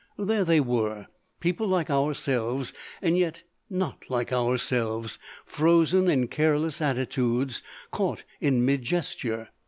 There they were, people like ourselves and yet not like ourselves, frozen in careless attitudes, caught in mid gesture.